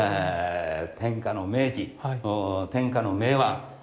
天下の名器天下の名碗。